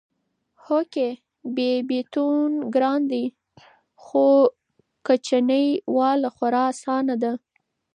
هو کې! بيبيتوب ګران دی خو کچنۍ واله خورا اسانه ده